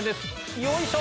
よいしょ。